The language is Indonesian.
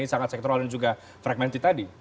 yang sangat sektoral dan juga fragmenti tadi